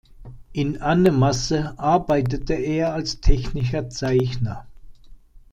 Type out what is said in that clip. In Annemasse arbeitete er als technischer Zeichner.